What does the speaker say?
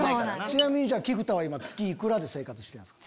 ちなみに菊田は今月幾らで生活してるんですか？